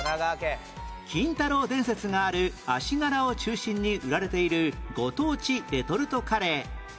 金太郎伝説がある足柄を中心に売られているご当地レトルトカレー